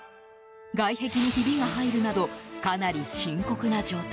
外壁にひびが入るなどかなり深刻な状態。